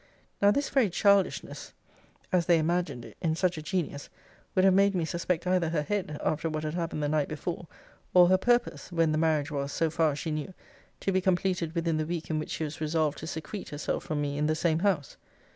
Now this very childishness, as they imagined it, in such a genius, would have made me suspect either her head, after what had happened the night before; or her purpose, when the marriage was (so far as she knew) to be completed within the week in which she was resolved to secrete herself from me in the same house.